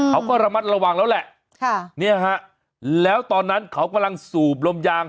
เขาก็ระมัดระวังแล้วแหละค่ะเนี่ยฮะแล้วตอนนั้นเขากำลังสูบลมยาง